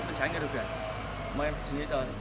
chẳng trái người điều kiện mời em xin giấy tờ